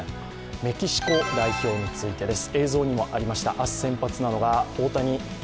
メキシコ代表についてです。